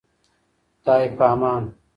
خداي پامان.